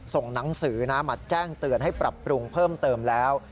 ส่งหนังสือนะมาแจ้งเตือนให้ปรับปรุงเพิ่มเติมแล้ว